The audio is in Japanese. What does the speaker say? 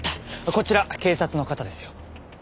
こちら警察の方ですよ。